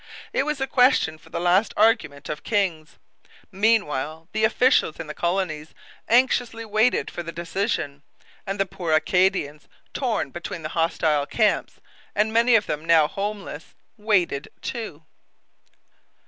It was a question for the last argument of kings. Meanwhile the officials in the colonies anxiously waited for the decision; and the poor Acadians, torn between the hostile camps, and many of them now homeless, waited too.